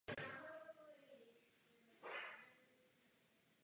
Tato plynová verze je ideální pro opravy a méně náročné výrobní provozy.